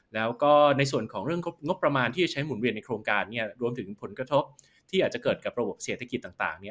แล้วก็ในส่วนของเรื่องงบประมาณที่จะใช้หมุนเวียนในโครงการรวมถึงผลกระทบที่อาจจะเกิดกับระบบเศรษฐกิจต่าง